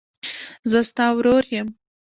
زه ستا ورور یم.